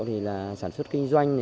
năm mươi triệu là sản xuất kinh doanh